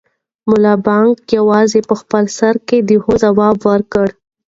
ملا بانګ یوازې په خپل سر کې د هو ځواب ورکړ.